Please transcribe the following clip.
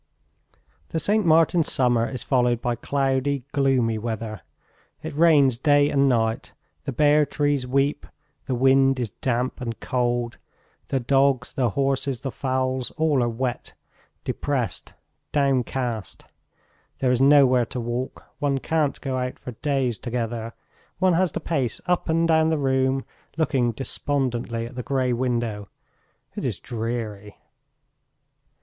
The St. Martin's summer is followed by cloudy, gloomy weather. It rains day and night, the bare trees weep, the wind is damp and cold. The dogs, the horses, the fowls all are wet, depressed, downcast. There is nowhere to walk; one can't go out for days together; one has to pace up and down the room, looking despondently at the grey window. It is dreary!